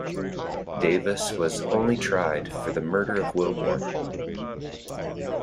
Davis was only tried for the murder of Wilborn.